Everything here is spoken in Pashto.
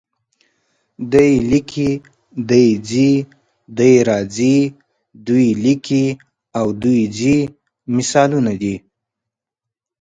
دی لیکي، دی ځي، دی راځي، دوی لیکي او دوی ځي مثالونه دي.